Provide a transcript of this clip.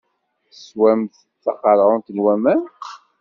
Teswamt taqeṛɛunt n waman.